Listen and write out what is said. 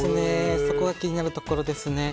そこが気になるところですね。